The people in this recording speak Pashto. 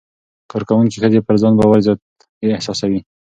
کارکوونکې ښځې پر ځان باور زیات احساسوي.